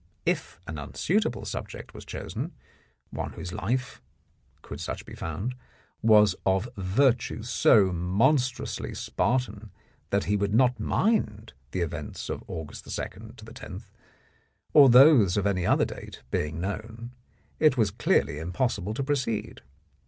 If an unsuitable subject was chosen, one whose life (could such be found) was of virtue so monstrously Spartan, that he would not mind the events of August 2 to 10, or those of any other date, being known, it was clearly impossible to proceed.